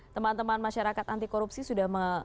teman teman masyarakat anti korupsi sudah